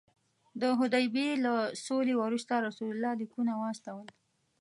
د حدیبیې له سولې وروسته رسول الله لیکونه واستول.